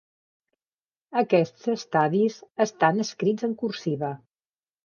Aquests estadis estan escrits en cursiva.